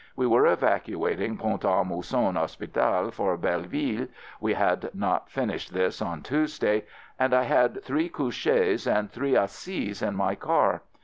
We were evacuating Pont a Mousson Hospital for Belleville (we had not finished this on Tuesday) and I had three couches and three assis in my car.